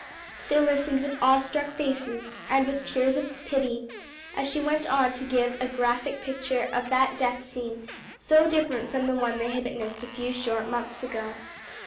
They listened with awe struck faces, and with tears of pity, as she went on to give a graphic picture of that death scene so different from the one they had witnessed a few short months ago.